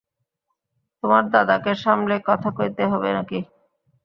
তোমার দাদাকে সামলে কথা কইতে হবে নাকি?